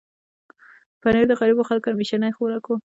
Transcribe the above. پنېر د غریبو خلکو همیشنی خوراک و.